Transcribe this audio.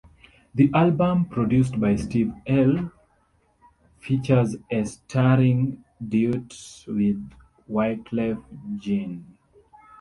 The album, produced by Steve Earle, features a stirring duet with Wyclef Jean.